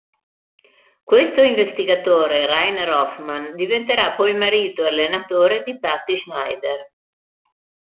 Questo investigatore, Rainer Hoffman, diventerà poi marito e allenatore di Patty Schnyder.